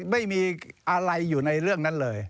ไม่มีอะไรอยู่ในเรื่องนั้นเลย